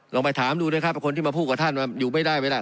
ลองไปถามดูนะครับคนที่มาพูดว่าท่านอยู่ไม่ได้ไว้ล่ะ